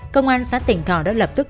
công an xã tỉnh thọ đã lập tức